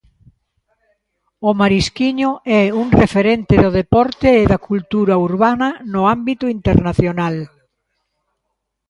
O Marisquiño é un referente do deporte e da cultura urbana no ámbito internacional.